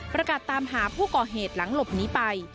ประกาศตามหาผู้ก่อเหตุหลังหลบหนีไป